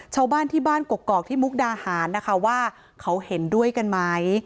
ชาวบ้านที่บ้านกกอกที่มุกดาหารนะคะว่าเขาเห็นด้วยกันไหม